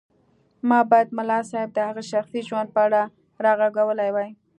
ما بايد ملا صيب د هغه شخصي ژوند په اړه راغږولی وای.